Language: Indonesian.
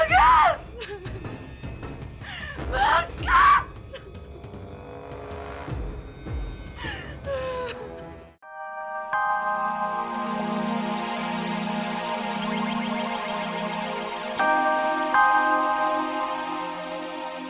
gak ada pacaran